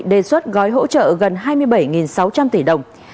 đề xuất gói hỗ trợ gần hai mươi bảy sáu trăm linh tỷ đồng